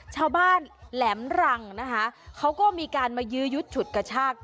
แหลมรังนะคะเขาก็มีการมายื้อยุดฉุดกระชาก